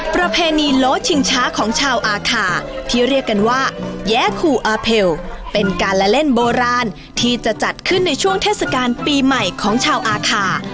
ประเพณีโลชิงช้าของชาวอาคาที่เรียกกันว่าแย้คูอาเพลเป็นการละเล่นโบราณที่จะจัดขึ้นในช่วงเทศกาลปีใหม่ของชาวอาคา